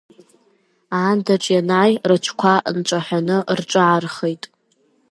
Аандаҿ ианааи рыҽқәа нҿаҳәаны рҿаархеит.